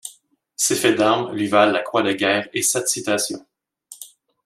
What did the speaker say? Ses faits d'armes lui valent la croix de guerre et sept citations.